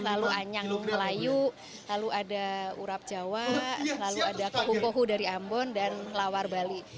lalu anyang melayu lalu ada urap jawa lalu ada kahuku dari ambon dan lawar bali